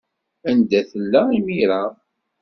Anda tella imir-a?